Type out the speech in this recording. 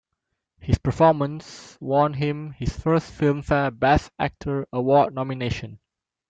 His performance won him his first Filmfare Best Actor Award Nomination.